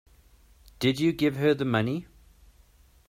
Did you give her the money?